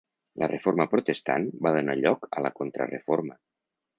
La reforma protestant va donar lloc a la Contrareforma.